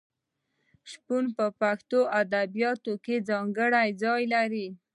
شپون په پښتو ادبیاتو کې ځانګړی ځای لري.